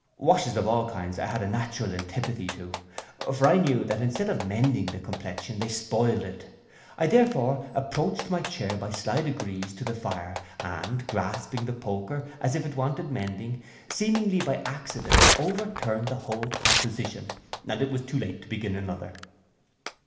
Washes of all kinds I had a natural antipathy to; for I knew that instead of mending the complexion they spoiled it. I therefore approached my chair by sly degrees to the fire, and grasping the poker, as if it wanted mending, seemingly by accident, overturned the whole composition, and it was too late to begin another.